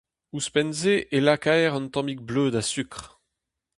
Ouzhpenn-se e lakaer un tammig bleud ha sukr.